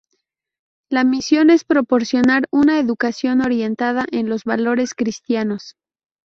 La misión es proporcionar una educación orientada en los valores cristianos.